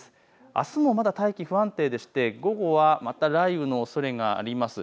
あすもまだ大気、不安定でして午後はまた雷雨のおそれがあります。